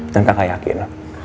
dan kakak yakin